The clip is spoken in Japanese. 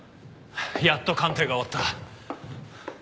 やっと鑑定が終わった。